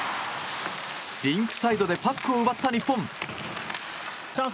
リンクサイドでパックを奪った日本。